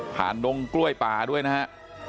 ผ่านนงกล้วยป่าด้วยนะฮะ